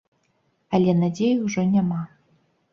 Але надзеі ўжо няма.